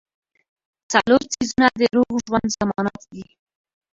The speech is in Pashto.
څلور څيزونه د روغ ژوند ضمانت دي -